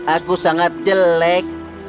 aku sangat jelek